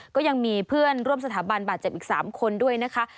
ก็ยังมีเพื่อนร่วมสถาบันบาดเจ็บอีก๓คนด้วยนะคะ